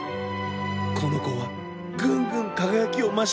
このこはぐんぐんかがやきをましていったの。